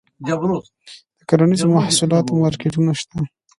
د کرنیزو محصولاتو مارکیټونه شته؟